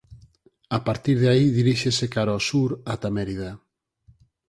A partir de aí diríxese cara ao sur ata Mérida.